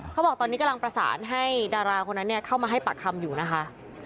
เขาบอกตอนนี้กำลังประสานให้ดาราคนนั้นเข้ามาให้ปากคำอยู่นะคะ